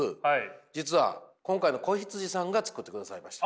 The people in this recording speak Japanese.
実は今回の子羊さんが作ってくださいました。